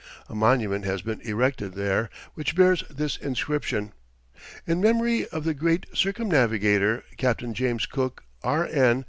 A monument has been erected there, which bears this inscription: "In Memory of the Great Circumnavigator Captain James Cook, R. N.